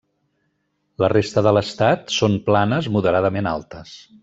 La resta de l'estat són planes moderadament altes.